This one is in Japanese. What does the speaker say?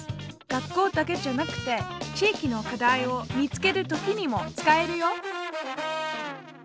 学校だけじゃなくて地域の課題を見つける時にも使えるよ！